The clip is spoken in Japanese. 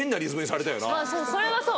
そうはそう。